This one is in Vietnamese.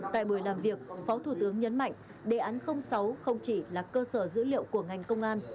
tại buổi làm việc phó thủ tướng nhấn mạnh đề án sáu không chỉ là cơ sở dữ liệu của ngành công an